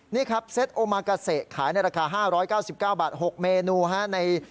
นี่ครับเซ็ตโอมากาเซขายในราคา๕๙๙บาท๖เมนูฮะ